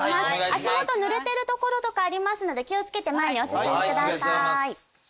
足元ぬれてる所とかありますので気を付けて前にお進みください。